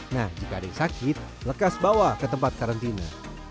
nah jika ada yang sakit lekas bawa ke tempat karantina